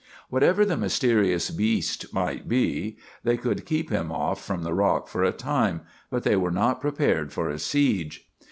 Whatever the mysterious beast might be, they could keep him off from the rock for a time, but they were not prepared for a siege.